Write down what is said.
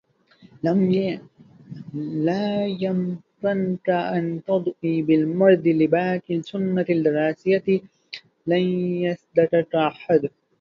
لا يمكنك أن تدّعي بالمرض لباقي السنة الدّراسية. لن يصدّقك أحد.